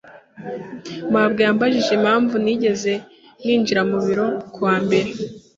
mabwa yambajije impamvu ntigeze ninjira mu biro kuwa mbere.